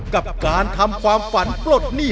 กับการทำความฝันปลดหนี้